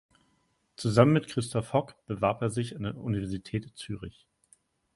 Zusammen mit Christoph Hock bewarb er sich an der Universität Zürich.